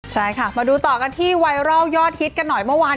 ใช่ค่ะมาดูต่อกันที่ไวรัลยอดฮิตกันหน่อยเมื่อวาน